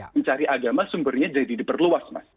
mencari agama sumbernya jadi diperluas mas